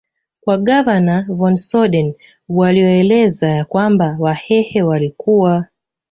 kwa Gavana Von soden walioeleza ya kwamba wahehe walikuwa